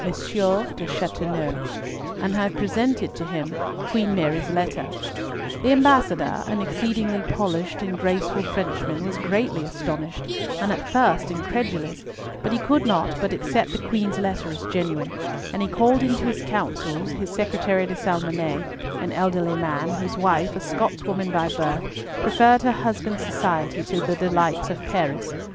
d'Aubepine Chateauneuf, and presented to him Queen Mary's letter. The Ambassador, an exceedingly polished and graceful Frenchman, was greatly astonished, and at first incredulous; but he could not but accept the Queen's letter as genuine, and he called into his counsels his Secretary De Salmonnet, an elderly man, whose wife, a Scotswoman by birth, preferred her husband's society to the delights of Paris.